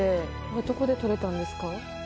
どこでとれたんですか？